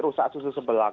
rusak susu sebelang